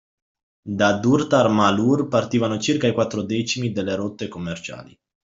Da Durtar Malur partivano circa i quattro decimi delle rotte commerciali